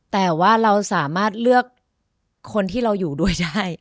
แต่ว่าเราสามารถเลือกคนที่เราอยู่ด้วยได้